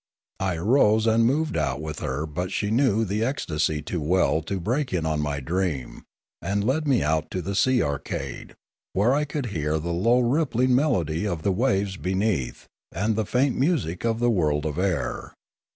I arose and moved out with her but she knew the ecstasy too well to break in on my dream, and led me out to the sea arcade, where I could hear the low rippling melody of the waves l>eneath and the faint music of the world of air.